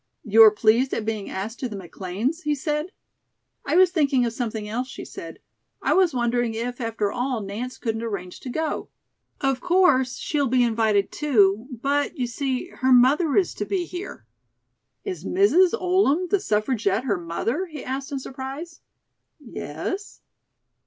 "You are pleased at being asked to the McLean's?" he said. "I was thinking of something else," she said. "I was wondering if, after all, Nance couldn't arrange to go. Of course, she'll be invited, too; but, you see, her mother is to be here." "Is Mrs. Oldham, the Suffragette, her mother?" he asked in surprise. "Yes."